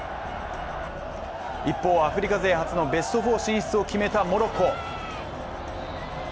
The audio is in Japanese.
一方、アフリカ勢初のベスト４進出を決めたモロッコ。